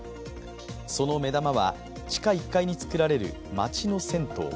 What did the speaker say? その目玉は地下１階に造られる街の銭湯。